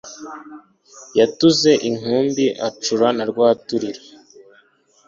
Yacuze inkumbi acurana Rwaturira,